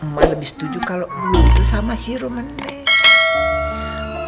ma lebih setuju kalau buah itu sama si roman nek